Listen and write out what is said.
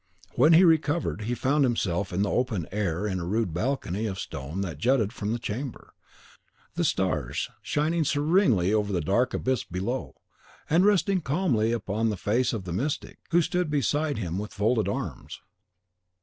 When he recovered, he found himself in the open air in a rude balcony of stone that jutted from the chamber, the stars shining serenely over the dark abyss below, and resting calmly upon the face of the mystic, who stood beside him with folded arms.